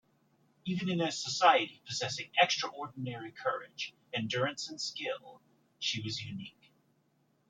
Even in a society possessing extraordinary courage, endurance and skill, she was unique.